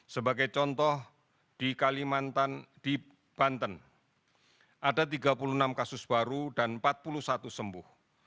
sebagai contoh di kalimantan di banten ada tiga puluh enam kasus baru dan empat puluh satu sembuh